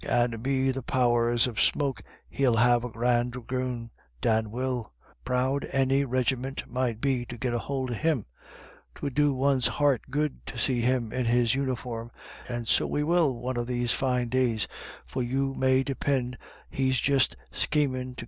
And be the powers of smoke, he'll make a grand dragoon, Dan will ; proud any regiment might be to git a hould of him. 'Twould do one's heart good to see him in his uniform — and so we will one of these fine days, for you may depind he's just schemin' to 16 226 IRISH IDYLLS.